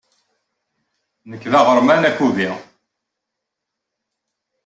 Nekk d aɣerman akubi.